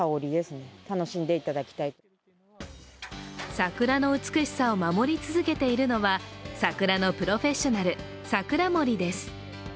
桜の美しさを守り続けているのは桜のプロフェッショナル、桜守です。